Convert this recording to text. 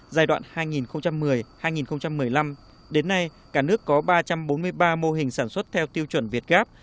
giai đoạn hai nghìn một mươi hai nghìn một mươi năm đến nay cả nước có ba trăm bốn mươi ba mô hình sản xuất theo tiêu chuẩn việt gáp